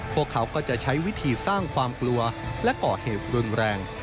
พวกเขาก็จะใช้วิธีสร้างความกลัวและก่อเหตุรุนแรง